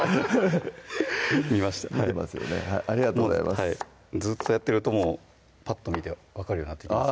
見てますよねありがとうございますずっとやってるともうぱっと見て分かるようになってきます